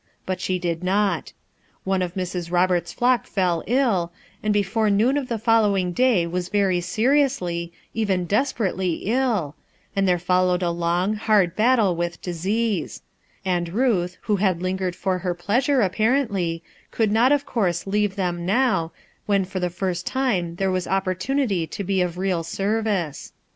But she did not. One of airs. Roberts's flock fell ill, unci before noon of the following day was very seriously, even des perately ill, and there followed a long, hard battle with disease; and Ruth, who had lin gered for her pleasure, apparently, could not of course leave thexu now, when for the first time there was opportunity to be of real service.